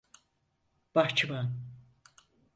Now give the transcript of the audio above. Bahçıvan…